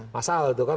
masalah itu kan